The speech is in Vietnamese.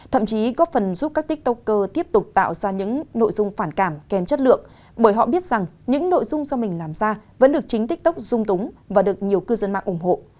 thậm chí có phần giúp các tiktoker tiếp tục tạo ra những nội dung phản cảm kém chất lượng bởi họ biết rằng những nội dung do mình làm ra vẫn được chính tiktok dung túng và được nhiều cư dân mạng ủng hộ